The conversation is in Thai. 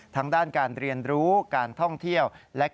ทั้งด้านการเรียนรู้การท่องเที่ยว